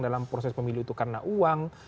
dalam proses pemilu itu karena uang